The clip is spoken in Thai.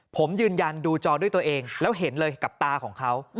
ผมยืนยันดูจอด้วยตัวเองแล้วเห็นเลยกับตาของเขา